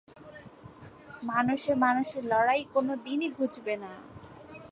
মানুষে-মানুষে লড়াই কোনদিনই ঘুঁচবে না।